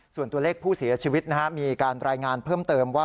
ส่วนตัวเลขผู้เสียชีวิตมีการรายงานเพิ่มเติมว่า